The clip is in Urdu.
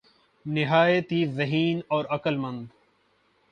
نہایت ہی ذہین اور عقل مند